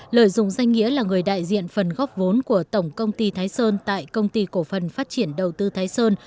lợi dụng danh nghĩa là người đại diện phần góp vốn của tổng công ty thái sơn tại công ty cổ phần phát triển đầu tư thái sơn